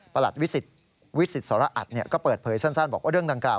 วิสิตสรอัตก็เปิดเผยสั้นบอกว่าเรื่องดังกล่า